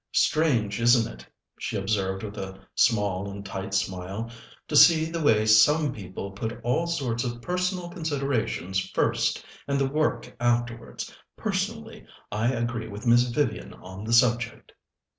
"Strange, isn't it?" she observed with a small and tight smile, "to see the way some people put all sorts of personal considerations first and the work afterwards! Personally, I agree with Miss Vivian on the subject."